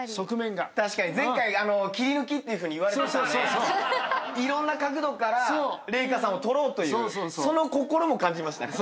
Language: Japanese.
確かに前回切り抜きっていうふうに言われてたんでいろんな角度から麗華さんを撮ろうというその心も感じましたね。